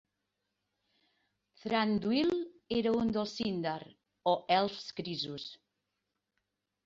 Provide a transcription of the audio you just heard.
Thranduil era un dels Sindar, o elfs grisos.